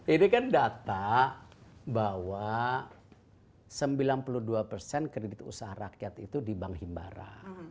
ini kan data bahwa sembilan puluh dua persen kredit usaha rakyat itu di bank himbara